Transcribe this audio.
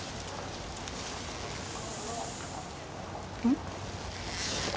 ん？